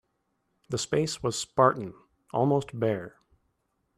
The space was spartan, almost bare.